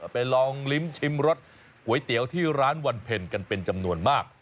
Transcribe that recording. ไปลองลิ้มชิมรสก๋วยเตี๋ยวที่ร้านวันเพ็ญกันเป็นจำนวนมาก